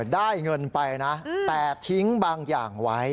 ได้เงินไปนะแต่ทิ้งบางอย่างไว้